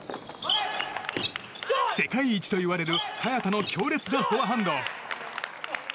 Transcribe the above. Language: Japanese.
世界一といわれる早田の強烈なフォアハンド。